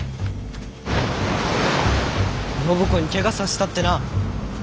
暢子にケガさせたってな。